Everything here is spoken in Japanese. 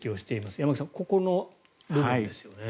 山口さん、ここの部分ですよね。